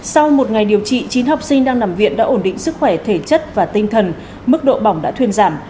sau một ngày điều trị chín học sinh đang nằm viện đã ổn định sức khỏe thể chất và tinh thần mức độ bỏng đã thuyên giảm